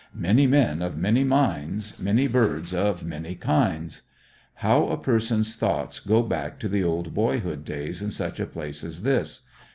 ''Many men of many minds, many birds of many kinds." How a person's thoughts go back to the old boyhood days in such a place as this.